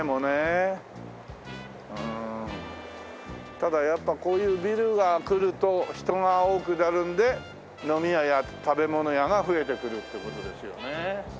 ただやっぱこういうビルが来ると人が多くなるので飲み屋や食べ物屋が増えてくるって事ですよね。